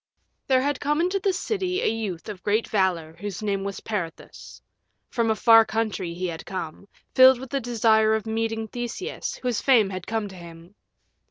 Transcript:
VIII There had come into the city a youth of great valor whose name was Peirithous: from a far country he had come, filled with a desire of meeting Theseus, whose fame had come to him.